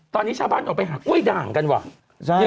ตอนนี้ชาวบ้านออกไปหากล้วยด่างกันว่ะ